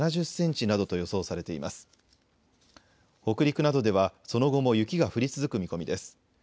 北陸などではその後も雪が降り続く見込みです。